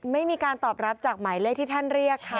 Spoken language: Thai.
ไม่มีการตอบรับจากหมายเลขที่ท่านเรียกค่ะ